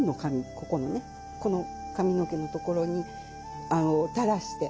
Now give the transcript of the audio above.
ここのねこの髪の毛のところを垂らして。